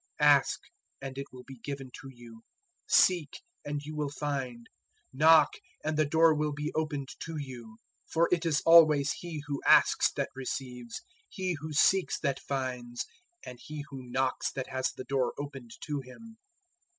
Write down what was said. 007:007 "Ask, and it will be given to you; seek, and you will find; knock, and the door will be opened to you. 007:008 For it is always he who asks that receives, he who seeks that finds, and he who knocks that has the door opened to him.